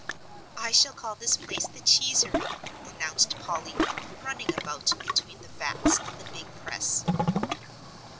"I shall call this place the Cheesery," announced Polly, running about between the vats and the big press.